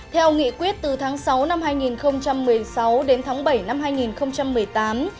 theo nghị quyết từ tháng sáu năm hai nghìn một mươi sáu đến tháng bảy năm hai nghìn một mươi tám